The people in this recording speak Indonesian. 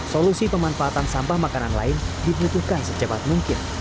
solusi pemanfaatan sampah makanan lain dibutuhkan secepat mungkin